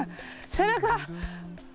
背中？